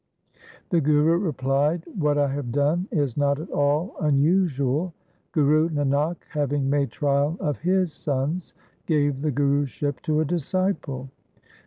The Guru replied, ' What I have done is not at all unusual, Guru Nanak having made trial of his sons gave the Guruship to a disciple.